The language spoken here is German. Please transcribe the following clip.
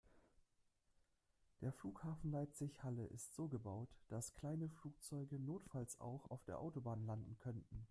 Der Flughafen Leipzig/Halle ist so gebaut, dass kleine Flugzeuge notfalls auch auf der Autobahn landen könnten.